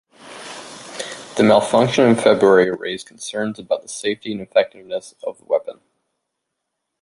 The malfunction in February raised concerns about the safety and effectiveness of the weapon.